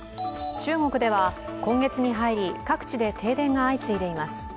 中国では、今月に入り各地で停電が相次いでいます。